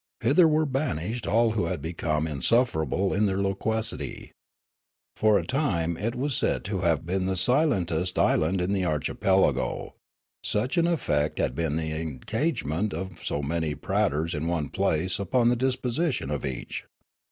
Hither were bani.shed all who had become insufferable for their loquacity. For a time it was said to have been the silentest island in the archipelago, such an effect had the encagement of so many praters in one place upon the disposition of each.